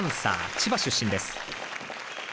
千葉出身です。